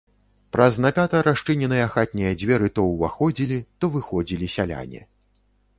Праз напята расчыненыя хатнія дзверы то ўваходзілі, то выходзілі сяляне.